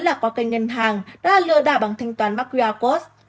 là qua kênh ngân hàng đã lừa đảo bằng thanh toán macriacost